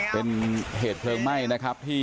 เป็นเหตุเพลิงไหม้นะครับที่